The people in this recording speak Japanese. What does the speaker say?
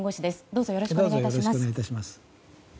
どうぞよろしくお願い致します。